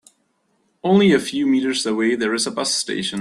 Only a few meters away there is a bus station.